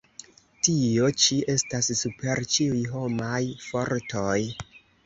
Tio ĉi estas super ĉiuj homaj fortoj!